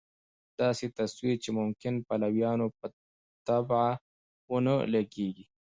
داسې تصویر چې ممکن پلویانو په طبع ونه لګېږي.